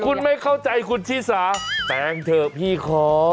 คุณไม่เข้าใจคุณชิสาแต่งเถอะพี่ขอ